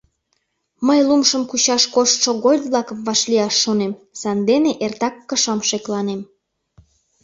Мый лумшым кучаш коштшо гольд-влакым вашлияш шонем, сандене эртак кышам шекланем.